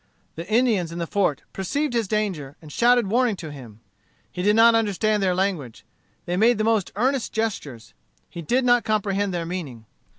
The Indians in the fort perceived his danger, and shouted warning to him. He did not understand their language. They made the most earnest gestures. He did not comprehend their meaning.